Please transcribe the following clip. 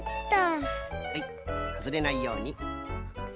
はいくずれないように。